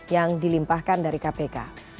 yang dilimpahkan dari kpk